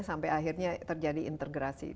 sampai akhirnya terjadi integrasi